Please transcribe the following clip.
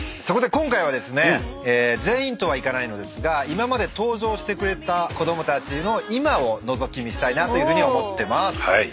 そこで今回はですね全員とはいかないのですが今まで登場してくれた子供たちの今をのぞき見したいなと思ってます。